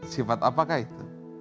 sifat apakah itu